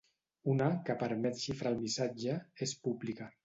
Una, que permet xifrar el missatge, és pública.